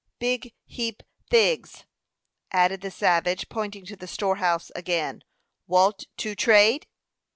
"Big heap thigs," added the savage, pointing to the storehouse again. "Walt to trade?"